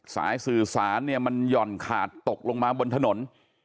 สายสื่อสารเนี่ยมันหย่อนขาดตกลงมาบนถนน